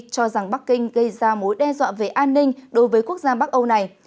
cho rằng bắc kinh gây ra mối đe dọa về an ninh đối với quốc gia bắc âu này